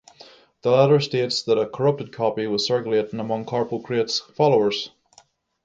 The letter states that a corrupted copy was circulating among Carpocrates' followers.